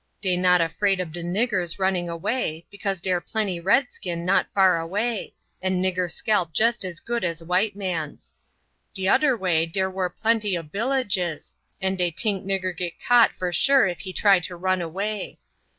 Dey not afraid ob de niggers running away, because dere plenty redskin not far away, and nigger scalp jest as good as white man's. De oder way dere wor plenty ob villages, and dey tink nigger git caught for sure if he try to run away.